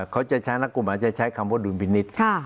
เขาจะใช้นักกลุ่มอาจจะใช้คำว่าดุลพินิษฐ์